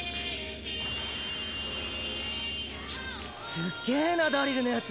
すっげぇなダリルのヤツ。